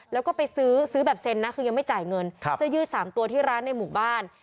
แล้วก็ไปซื้อซื้อแบบเซ็นนะคือยังไม่จ่ายเงินเสื้อยืด๓ตัวที่ร้านในหมู่บ้าน